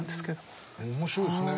面白いですね。